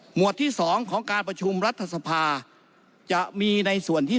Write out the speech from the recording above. วดที่๒ของการประชุมรัฐสภาจะมีในส่วนที่